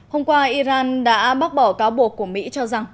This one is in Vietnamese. hôm qua iran đã bác bỏ cáo buộc của mỹ cho rằng